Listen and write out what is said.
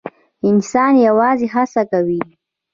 انسان یوازې هڅه کوي